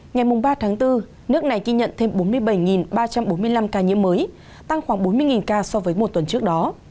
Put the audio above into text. ngày ba tháng bốn nước này ghi nhận thêm bốn mươi bảy ba trăm bốn mươi năm ca nhiễm mới tăng khoảng bốn mươi ca so với một tuần trước đó